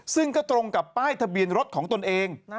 ซึ่งก็ตรงกับป้ายทะเบียนรถของตนเอง